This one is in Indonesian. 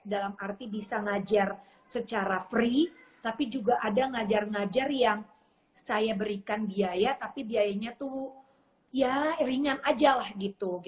dalam arti bisa ngajar secara free tapi juga ada ngajar ngajar yang saya berikan biaya tapi biayanya tuh ya ringan aja lah gitu